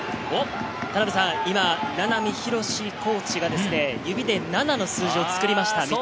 今、名波浩コーチが指で「７」の数字を作りました、三笘。